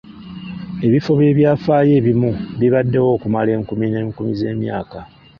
Ebifo by'ebyafaayo ebimu bibaddewo okumala enkumi n'enkumi z'emyaka.